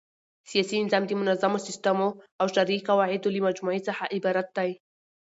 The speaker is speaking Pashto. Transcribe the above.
سیاسي نظام د منظمو سيسټمو او شرعي قواعدو له مجموعې څخه عبارت دئ.